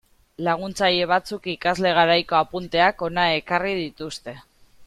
Laguntzaile batzuk ikasle garaiko apunteak hona ekarri dituzte.